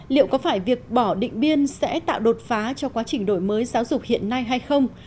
liệu có phải việc bỏ định biên sẽ tạo đột phá cho quá trình đổi mới giáo dục hiện nay hay không